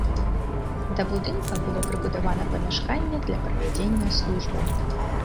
Да будынка было прыбудавана памяшканне для правядзення службаў.